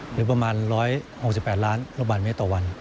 หรือประมาณ๑๖๘ล้านลูกบาทเมตรต่อวัน